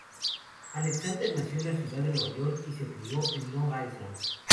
Alexander nació en la ciudad de Nueva York y se crió en Long Island.